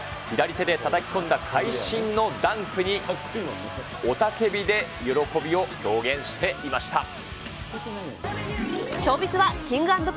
左手でたたき込んだ会心のダンクに、雄たけびで喜びを表現していました。